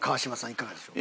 いかがでしょう？